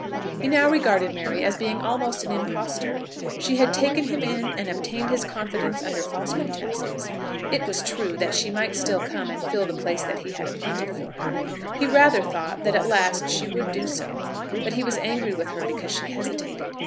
He now regarded Mary as being almost an impostor. She had taken him in and obtained his confidence under false pretences. It was true that she might still come and fill the place that he had appointed for her. He rather thought that at last she would do so. But he was angry with her because she hesitated.